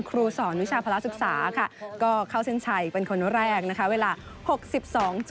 ขอบคุณนะครับ